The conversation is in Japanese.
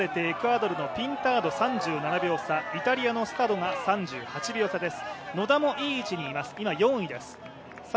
先頭のキニオンから離れてエクアドルのピンタード３７秒差、イタリアのスタノが３８秒差です。